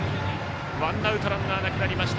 ワンアウトランナーなくなりました。